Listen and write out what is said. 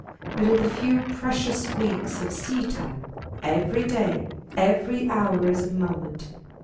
But in the few precious weeks of seedtime, every day, every hour is of moment.